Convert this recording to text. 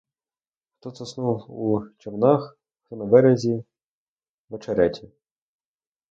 Хто заснув у човнах, хто на березі, в очереті.